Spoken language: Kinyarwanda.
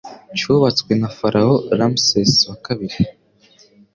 cyubatswe na Pharaoh Ramses wa kabiri